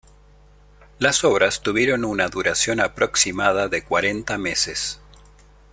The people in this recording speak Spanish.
Las obras tuvieron una duración aproximada de cuarenta meses.